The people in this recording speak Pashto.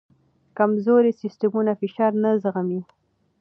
کمزوري سیستمونه فشار نه زغمي.